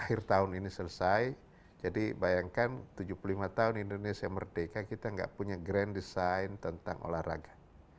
akhir tahun ini selesai jadi bayangkan tujuh puluh lima tahun indonesia merdeka kita nggak punya grand design tentang olahraga